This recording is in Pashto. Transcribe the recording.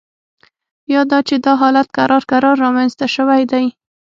یا دا چې دا حالت کرار کرار رامینځته شوی دی